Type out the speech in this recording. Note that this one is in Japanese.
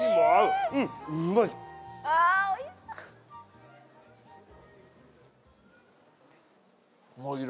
ああおいしそっ。